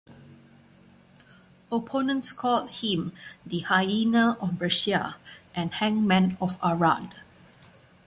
Opponents called him the "Hyena of Brescia" and "Hangman of Arad.